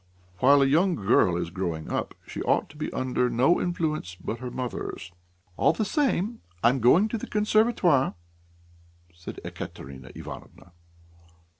While a young girl is growing up, she ought to be under no influence but her mother's." "All the same, I'm going to the Conservatoire," said Ekaterina Ivanovna.